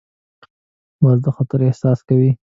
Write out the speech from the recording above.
باز د خطر احساس کوي